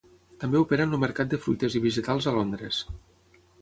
També opera en el mercat de fruites i vegetals a Londres.